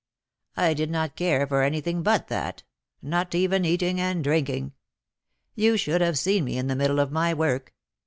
I did not care for anything but that; not even eating and drinking. You should have seen me in the middle of my work!